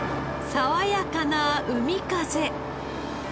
爽やかな海風。